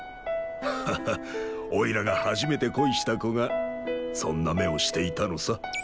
ハッハッおいらが初めて恋した子がそんな目をしていたのさ。